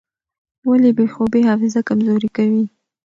ولې بې خوبي حافظه کمزورې کوي؟